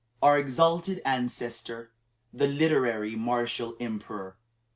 (2) "Our Exalted Ancestor the Literary Martial Emperor."